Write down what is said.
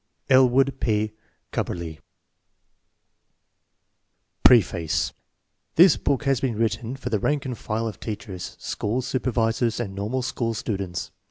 ELLWOOD P. CUBBEHLEY PREFACE THIS book lias been written for the rank and file of teachers, school supervisors, and normal school stu dents.